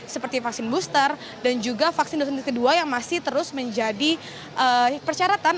seperti vaksin booster dan juga vaksin dosis kedua yang masih terus menjadi persyaratan